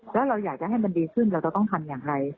แล้วเราอยากจะให้มันดีขึ้นเราจะต้องทำอย่างไร